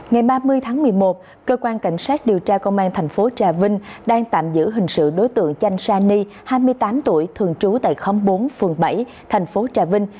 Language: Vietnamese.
ngày ba mươi tháng một mươi một cơ quan cảnh sát điều tra công an thành phố trà vinh đang tạm giữ hình sự đối tượng chanh sa ni hai mươi tám tuổi thường trú tại khóm bốn phường bảy thành phố trà vinh